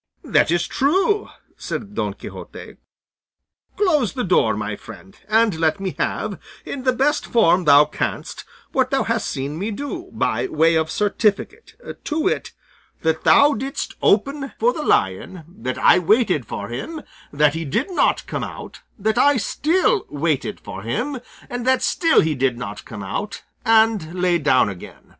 "That is true," said Don Quixote; "close the door, my friend, and let me have, in the best form thou canst, what thou hast seen me do, by way of certificate; to wit, that thou didst open for the lion, that I waited for him, that he did not come out, that I still waited for him, and that still he did not come out, and lay down again.